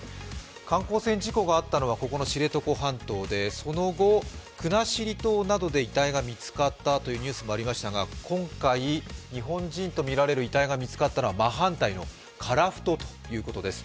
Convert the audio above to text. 観光船事故があったのは知床半島でその後、国後島などで遺体が見つかったというニュースがありましたが今回日本人とみられる遺体が見つかったのは真反対の樺太ということです。